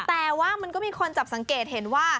แต่ว่ามันก็มีคนจับสังเกตเห็นว่า